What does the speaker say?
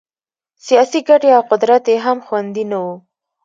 سیاسي ګټې او قدرت یې هم خوندي نه وو.